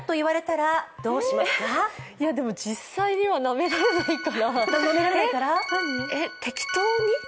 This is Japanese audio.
実際にはなめられないから適当に？